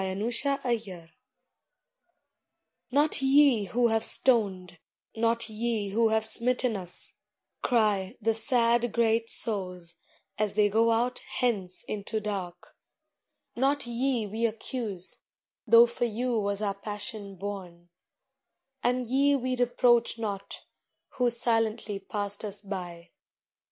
ARRAIGNMENT "Not ye who have stoned, not ye who have smitten us," cry The sad, great souls, as they go out hence into dark, "Not ye we accuse, though for you was our passion borne; And ye we reproach not, who silently passed us by.